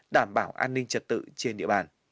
đảm bảo an ninh trật tự trên địa bàn